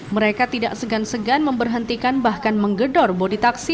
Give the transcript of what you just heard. mereka tidak segan segan memberhentikan bahkan menggedor bodi taksi